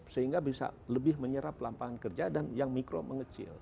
sehingga bisa lebih menyerap lapangan kerja dan yang mikro mengecil